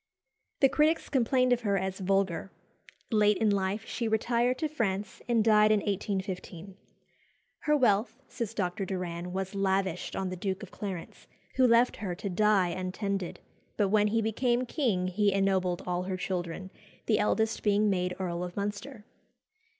The critics complained of her as vulgar. Late in life she retired to France, and died in 1815. "Her wealth," says Dr. Doran, "was lavished on the Duke of Clarence, who left her to die untended; but when he became king he ennobled all her children, the eldest being made Earl of Munster."